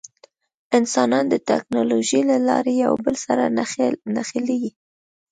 انسانان د ټکنالوجۍ له لارې یو بل سره نښلي.